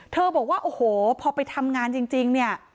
บอกว่าโอ้โหพอไปทำงานจริงเนี่ย